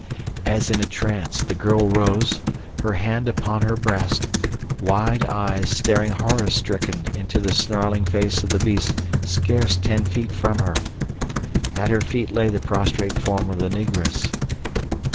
As in a trance, the girl rose, her hand upon her breast, wide eyes staring horror stricken into the snarling face of the beast scarce ten feet from her. At her feet lay the prostrate form of the Negress.